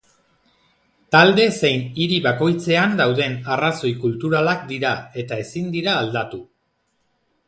Talde zein hiri bakoitzean dauden arrazoi kulturalak dira eta ezin dira aldatu.